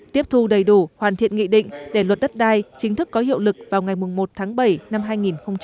tiếp thu đầy đủ hoàn thiện nghị định để luật đất đai chính thức có hiệu lực vào ngày một bảy hai nghìn hai mươi bốn